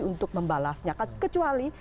untuk membalasnya kecuali